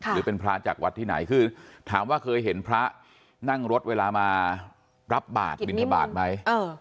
หรือเป็นพระจากวัดที่ไหนคือถามว่าเคยเห็นพระนั่งรถเวลามารับบาทบินทบาทไหม